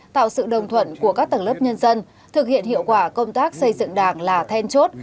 tạo sự đồng thuận của các tầng lớp nhân dân thực hiện hiệu quả công tác xây dựng đảng là then chốt